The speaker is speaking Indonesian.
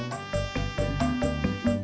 saya kagak tau pak